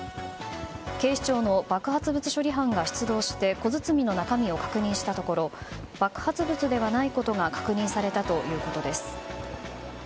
警視庁の爆発物処理班が出動して小包の中身を確認したところ爆発物ではないことが確認されたということです。